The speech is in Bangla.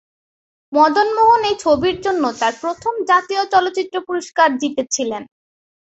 মদন মোহন এই ছবির জন্য তাঁর প্রথম জাতীয় চলচ্চিত্র পুরস্কার জিতেছিলেন।